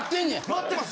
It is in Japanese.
待ってます！